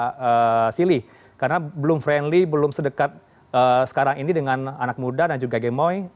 terima kasih pak sili karena belum friendly belum sedekat sekarang ini dengan anak muda dan juga gemoy